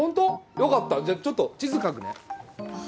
よかったじゃあちょっと地図描くねあっ